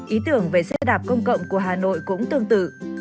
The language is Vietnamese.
ý tưởng về xe đạp công cộng của hà nội cũng tương tự